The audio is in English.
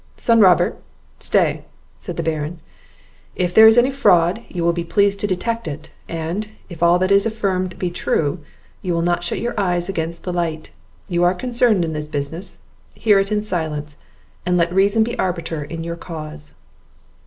"Son Robert, stay," said the Baron; "if there is any fraud, you will be pleased to detect it, and, if all that is affirmed be true, you will not shut your eyes against the light; you are concerned in this business; hear it in silence, and let reason be arbiter in your cause."